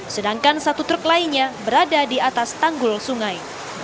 sedangkan satu truk lainnya berada di atas tanggul sungai